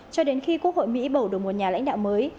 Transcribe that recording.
cho đến khi quốc hội mỹ bầu được một nhà lãnh đạo mới